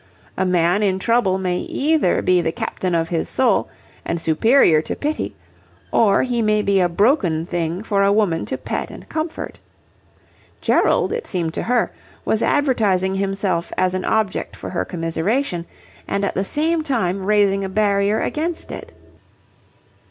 A man in trouble may either be the captain of his soul and superior to pity, or he may be a broken thing for a woman to pet and comfort. Gerald, it seemed to her, was advertising himself as an object for her commiseration, and at the same time raising a barrier against it.